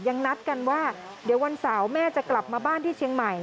นัดกันว่าเดี๋ยววันเสาร์แม่จะกลับมาบ้านที่เชียงใหม่